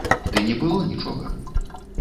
Ды не было нічога!